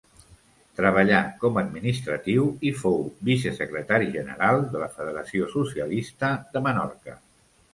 Treballà com administratiu i fou vicesecretari general de la Federació Socialista de Menorca.